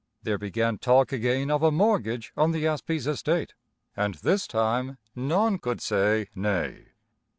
There began talk again of a mortgage on the Asbies estate, and this time none could say nay.